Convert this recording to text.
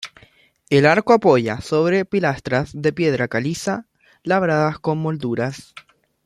El arco apoya sobre pilastras de piedra caliza labradas con molduras.